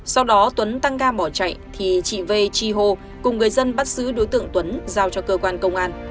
sau đó tuấn tăng ga bỏ chạy thì chị v chi hô cùng người dân bắt giữ đối tượng tuấn giao cho cơ quan công an